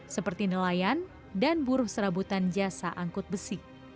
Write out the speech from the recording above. seperti nelayan dan buruh serabutan jasa angkut besi